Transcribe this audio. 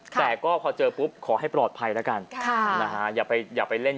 แต่ก็พอเจอปุ๊บขอให้ปลอดภัยแล้วกันค่ะนะฮะอย่าไปอย่าไปเล่น